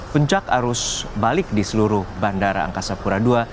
puncak arus balik di seluruh bandara angkasa pura ii